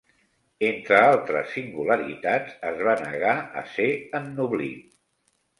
Entre altres singularitats, es va negar a ser ennoblit.